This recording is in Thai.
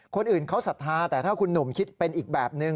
คนอื่นเขาศรัทธาแต่ถ้าคุณหนุ่มคิดเป็นอีกแบบนึง